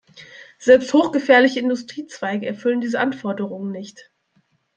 Selbst hochgefährliche Industriezweige erfüllen diese Anforderungen nicht.